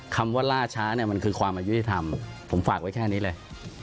คำว่าล่าช้าเนี่ยมันคือความอายุทธรรมผมฝากไว้แค่นี้เลย